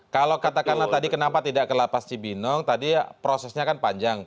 kalau katakanlah tadi kenapa tidak ke lapas cibinong tadi prosesnya kan panjang